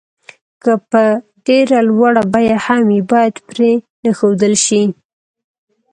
که په ډېره لوړه بيه هم وي بايد پرې نه ښودل شي.